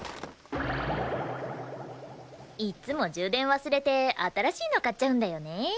いっつも充電忘れて新しいの買っちゃうんだよね。